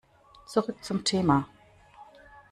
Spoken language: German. Zurück zum Thema.